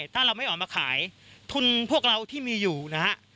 ถ้าเราไม่ออกมาขายทุนพวกเราที่มีอยู่นะฮะ